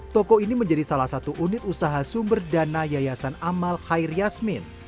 toko ini menjadi salah satu unit usaha sumber dana yayasan amal khair yasmin